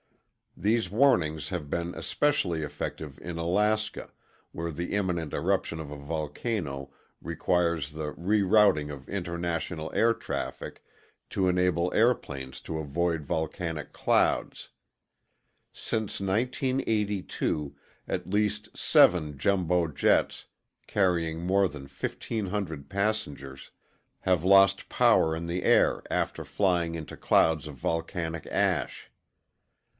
These warnings have been especially effective in Alaska, where the imminent eruption of a volcano requires the rerouting of international air traffic to enable airplanes to avoid volcanic clouds. Since 1982, at least seven jumbo jets, carrying more than 1,500 passengers, have lost power in the air after flying into clouds of volcanic ash.